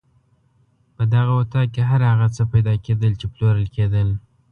په دغه اطاق کې هر هغه څه پیدا کېدل چې پلورل کېدل.